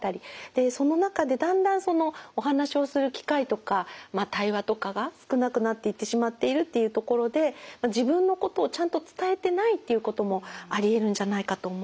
その中でだんだんお話をする機会とか対話とかが少なくなっていってしまっているっていうところで自分のことをちゃんと伝えてないっていうこともありえるんじゃないかと思います。